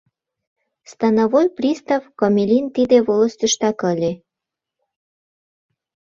Становой пристав Комелин тиде волостьыштак ыле.